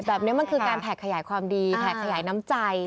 แบบนี้มันคือการแผ่ขยายความดีแผ่ขยายน้ำใจ